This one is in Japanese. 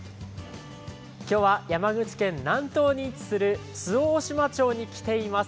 今日は、山口県南東に位置する周防大島町に来ています。